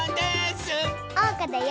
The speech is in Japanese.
おうかだよ！